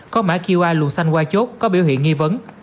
có mã qr luồn xanh qua chốt có biểu hiện nghi vấn